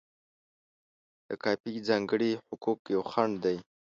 د کاپي ځانګړي حقوق یو خنډ دی.